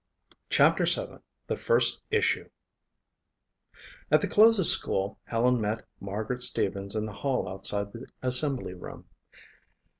CHAPTER VII The First Issue At the close of school Helen met Margaret Stevens in the hall outside the assembly room.